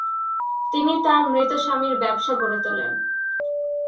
তিনি তার মৃত স্বামীর ব্যবসা গড়ে তোলেন।